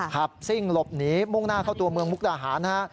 ซิ่งหลบหนีมุ่งหน้าเข้าตัวเมืองมุกดาหารนะฮะ